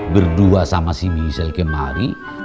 berdua sama si misil kemari